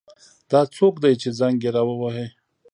دا څوک ده چې زنګ یې را وهي